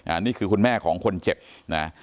อันนี้คือคุณแม่ของคนเจ็บนะ